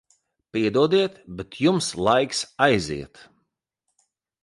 Piedodiet, bet jums laiks aiziet.